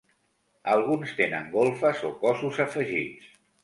Alguns tenen golfes o cossos afegits.